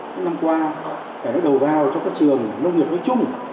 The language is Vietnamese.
cái năm qua phải nói đầu vào cho các trường nông nghiệp nói chung